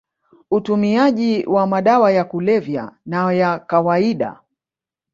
utumiaji wa madawa ya kulevya na ya kawaida